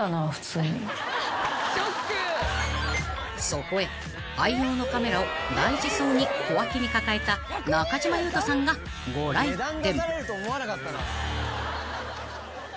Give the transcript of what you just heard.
［そこへ愛用のカメラを大事そうに小脇に抱えた中島裕翔さんがご来店］